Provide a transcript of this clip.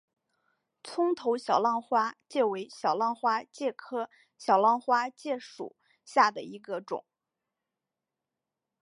葱头小浪花介为小浪花介科小浪花介属下的一个种。